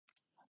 鈴木です